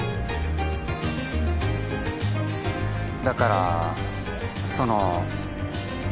だからその。